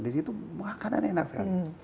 di situ makanan enak sekali